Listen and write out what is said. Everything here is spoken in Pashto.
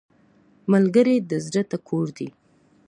ملګری د زړه ټکور دی